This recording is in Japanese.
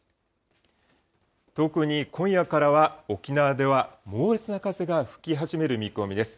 特に今夜からは、沖縄では猛烈な風が吹き始める見込みです。